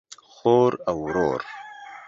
خور او ورور